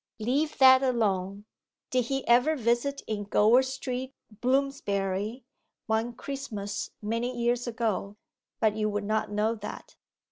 'Leave that alone. Did he ever visit in Gower Street, Bloomsbury, one Christmas, many years ago? but you would not know that.